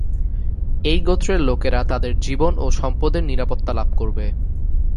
এই গোত্রের লোকেরা তাদের জীবন ও সম্পদের নিরাপত্তা লাভ করবে।